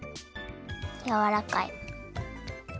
やわらかい。